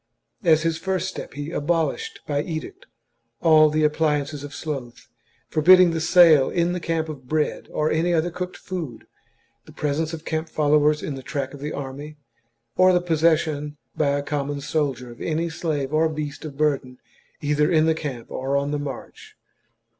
As his first step, he abolished by edict all the appliances of sloth, forbidding the sale in the camp of bread or any other cooked food, the presence of camp followers in the track of the army, or the possession by a com mon soldier of any slave or beast of burden either in camp or on the march.